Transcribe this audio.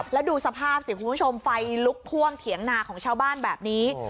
แล้วดูสภาพสิคุณผู้ชมไฟลุกท่วมเถียงนาของชาวบ้านแบบนี้